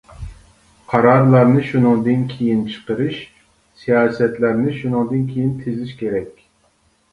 قارارلارنى شۇنىڭدىن كېيىن چىقىرىش، سىياسەتلەرنى شۇنىڭدىن كېيىن تىزىش كېرەك.